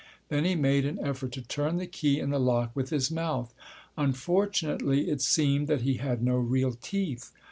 Then he made an effort to turn the key in the lock with his mouth. Unfortunately it seemed that he had no real teeth.